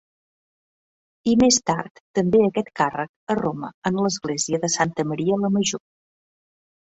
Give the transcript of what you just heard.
I més tard també aquest càrrec a Roma en l'església de Santa Maria la Major.